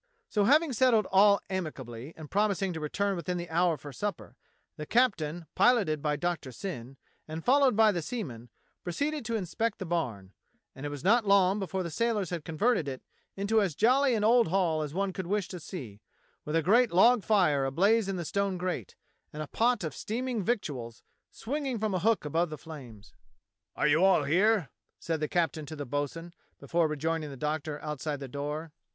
So having settled all amicably, and promising to return within the hour for supper, the captain, piloted by Doctor Syn, and followed by the seamen, proceeded to inspect the barn; and it was not long before the sailors had converted it into as jolly an old hall as one could wish to see, with a great log fire ablaze in the stone grate, and a pot of steaming victuals swinging from a hook above the flames. 44 DOCTOR SYN "Are you all here?" said the captain to the bo'sun, before rejoining the Doctor outside the door.